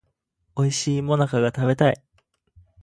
おいしい最中が食べたい